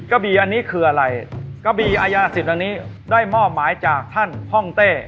กระบี่อันนี้คืออะไรกะบี่อายาศิษย์อันนี้ได้มอบหมายจากท่านห้องเต้